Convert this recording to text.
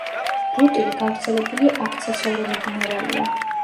რუტილი გავრცელებული აქცესორული მინერალია.